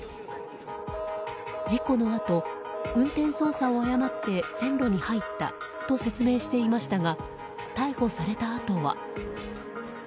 事故のあと運転操作を誤って線路に入ったと説明していましたが逮捕されたあとは。